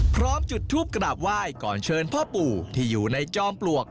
พร้อมจุดทูปกราบไหว้ก่อนเชิญพ่อปู่ที่อยู่ในจอมปลวก